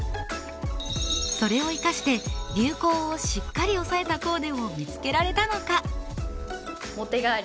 それを生かして流行をしっかりおさえたコーデを見つけられたのか？